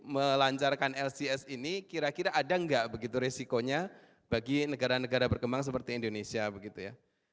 melancarkan lcs ini kira kira ada nggak begitu resikonya bagi negara negara berkembang seperti indonesia begitu ya